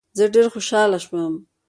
زه ډېر خوشاله شوم.